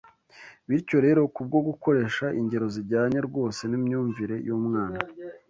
Bityo rero, kubwo gukoresha ingero zijyanye rwose n’imyumvire y’umwana